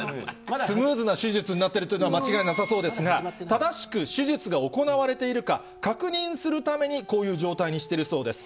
スムーズな手術になっているというのは間違いなさそうですが、正しく手術が行われているか、確認するために、こういう状態にしているそうです。